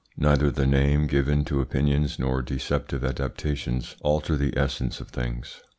Neither the name given to opinions nor deceptive adaptations alter the essence of things.